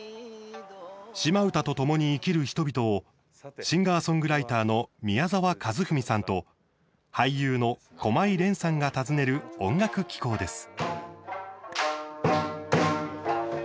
島唄とともに生きる人々をシンガーソングライターの宮沢和史さんと俳優の駒井蓮さんが訪ねる音楽紀行です。